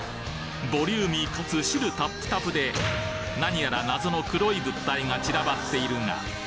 ボリューミーかつ汁タップタプでなにやら謎の黒い物体が散らばっているが！？